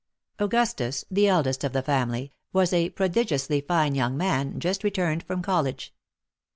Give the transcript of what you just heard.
Augustus, the eldest of the family, was a prodigiously fine young man, just returned from college.